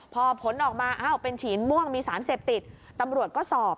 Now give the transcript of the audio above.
พอผลออกมาอ้าวเป็นฉีนม่วงมีสารเสพติดตำรวจก็สอบ